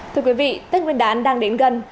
thưa quý vị tết nguyên đán đang đến gần